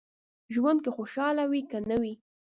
ژوند که خوشاله وي که نه وي.